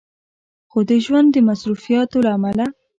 خو د ژوند د مصروفياتو له عمله